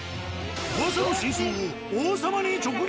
噂の真相を王様に直撃！